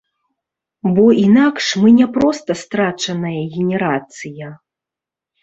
Бо інакш мы не проста страчаная генерацыя.